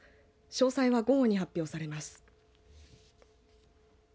詳細は午後に発表されます。